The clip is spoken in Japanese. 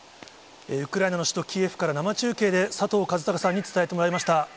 ウクライナの首都キエフから生中継で、佐藤和孝さんに伝えてもらいました。